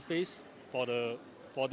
untuk memperkenalkan mereka